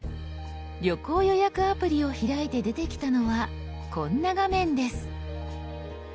旅行予約アプリを開いて出てきたのはこんな画面です。